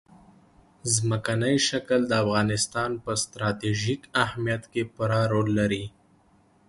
ځمکنی شکل د افغانستان په ستراتیژیک اهمیت کې پوره رول لري.